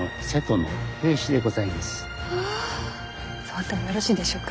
触ってもよろしいでしょうか。